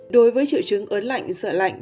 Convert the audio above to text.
đối với triệu chứng ớn lạnh sợ lạnh